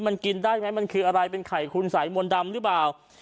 มันกินได้ไหมมันคืออะไรเป็นไข่คุณสายมนต์ดำหรือเปล่า